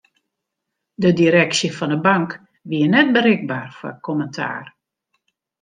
De direksje fan 'e bank wie net berikber foar kommentaar.